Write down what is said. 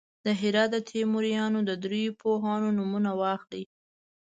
د هرات د تیموریانو د دریو پوهانو نومونه واخلئ.